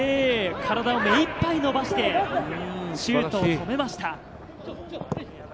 体を目いっぱい伸ばして、シュートを止めました。